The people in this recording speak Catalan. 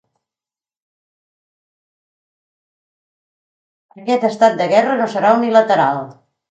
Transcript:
Aquest estat de guerra no serà unilateral.